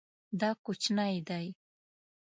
دا کوچنی دی